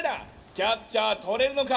キャッチャーとれるのか？